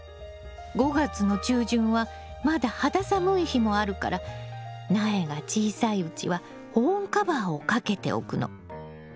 ５月の中旬はまだ肌寒い日もあるから苗が小さいうちは保温カバーをかけておくの。